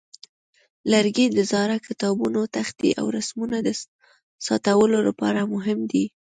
لرګي د زاړه کتابتونه، تختې، او رسمونو د ساتلو لپاره مهم دي.